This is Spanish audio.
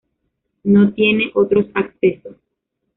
No tiene otros accesos.